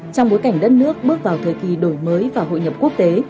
trong bối cảnh đất nước bước vào thời kỳ đổi mới và hội nhập quốc tế